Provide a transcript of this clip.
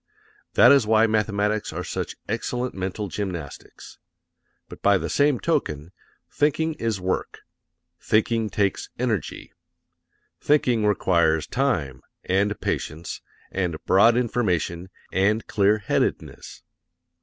That is why mathematics are such excellent mental gymnastics. But by the same token, thinking is work. Thinking takes energy. Thinking requires time, and patience, and broad information, and clearheadedness.